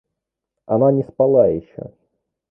Она не спала еще.